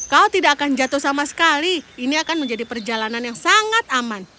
kau tidak akan jatuh sama sekali ini akan menjadi perjalanan yang sangat aman